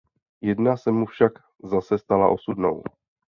Jedna se mu však zase stala osudnou.